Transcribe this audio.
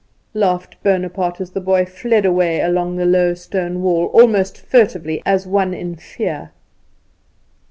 laughed Bonaparte, as the boy fled away along the low stone wall, almost furtively, as one in fear.